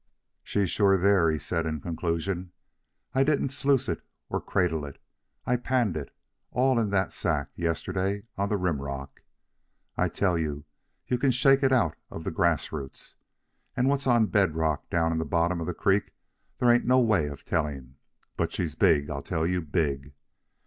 "She's sure there," he said in conclusion. "I didn't sluice it, or cradle it. I panned it, all in that sack, yesterday, on the rim rock. I tell you, you can shake it out of the grassroots. And what's on bed rock down in the bottom of the creek they ain't no way of tellin'. But she's big, I tell you, big.